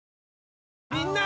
みんな！